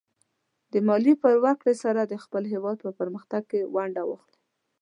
د مالیې په ورکړې سره د خپل هېواد په پرمختګ کې ونډه واخلئ.